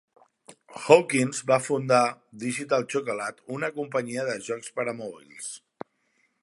Hawkins va fundar Digital Chocolate, una companyia de jocs per a mòbils.